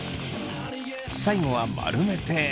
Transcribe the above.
最後は丸めて。